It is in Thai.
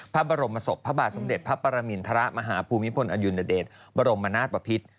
พระบรมศพพระบาทสมเด็จพระปรมิณฑระมหาภูมิพลอายุณเดชบรมมานาสปภิษฐ์